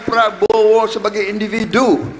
prabowo sebagai individu